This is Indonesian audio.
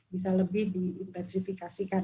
bisa lebih diintensifikan